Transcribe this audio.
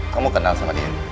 kamu kenal sama dia